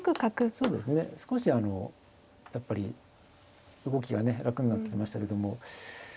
そうですね少しやっぱり動きがね楽になってきましたけども。